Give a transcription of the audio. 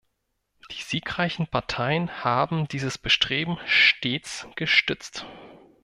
Die siegreichen Parteien haben dieses Bestreben stets gestützt.